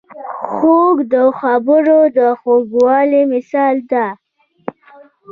خور د خبرو د خوږوالي مثال ده.